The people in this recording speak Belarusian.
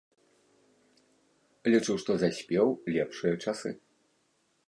Лічу, што заспеў лепшыя часы.